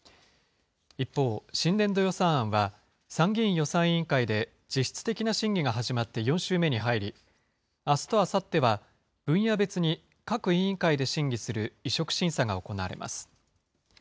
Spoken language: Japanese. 一方、新年度予算案は参議院予算委員会で実質的な審議が始まって４週目に入り、あすとあさっては、分野別に各委員会で審議する委嘱審査が行われます。